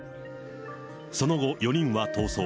その後、４人は逃走。